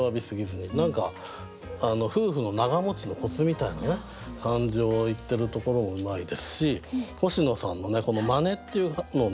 何か夫婦の長もちのコツみたいなね感じを言ってるところもうまいですし星野さんのね「まね」っていうのをね